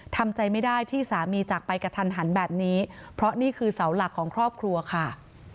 ทำใจไม่ได้ที่สามีจากไปกระทันหันแบบนี้เพราะนี่คือเสาหลักของครอบครัวค่ะ